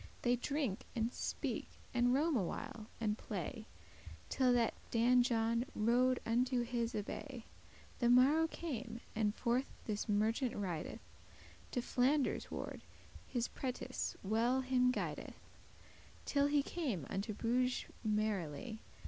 They drink, and speak, and roam a while, and play, Till that Dan John rode unto his abbay. The morrow came, and forth this merchant rideth To Flanders ward, his prentice well him guideth, Till he came unto Bruges merrily.